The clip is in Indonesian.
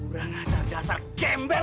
kalaulah kita mesti sengaja begini